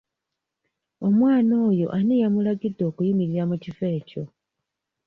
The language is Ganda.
Omwana oyo ani yamulagidde okuyimirira mu kifo ekyo?